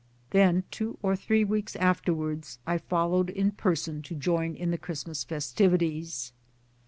Then two or three weeks afterwards I followed in person to join in the Christ mas festivities.